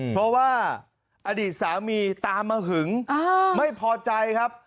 เพราะว่าอดีตสามีตามมาหึงไม่พอใจครับ